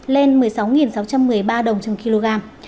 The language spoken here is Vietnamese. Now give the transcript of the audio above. lên một mươi sáu sáu trăm một mươi ba đồng trên kg